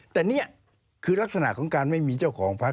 แต่นี่คือลักษณะของการไม่มีเจ้าของพัก